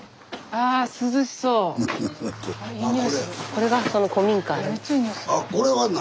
これがその古民家。